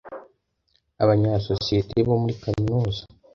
Abanyasosiyete bo muri kaminuza